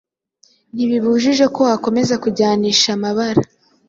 ntibibujije ko wakomeza kujyanisha amabara